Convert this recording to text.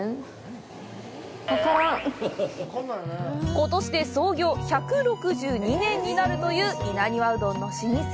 ことしで創業１６２年になるという稲庭うどんの老舗。